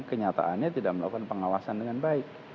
kenyataannya tidak melakukan pengawasan dengan baik